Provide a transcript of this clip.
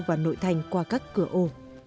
và nội thành qua các cửa ổ